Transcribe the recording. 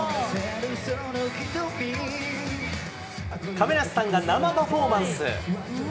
亀梨さんが生パフォーマンス。